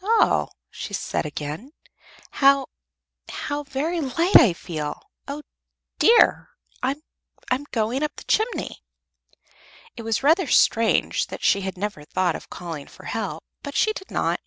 "Oh," she said again, "how how very light I feel! Oh, dear, I'm going up the chimney!" It was rather strange that she never thought of calling for help, but she did not.